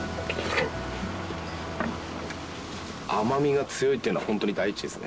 甘みが強いっていうのは本当に第一ですね。